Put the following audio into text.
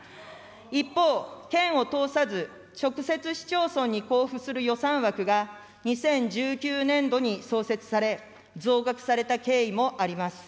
一方、県を通さず直接市町村に交付する予算枠が、２０１９年度に創設され、増額された経緯もあります。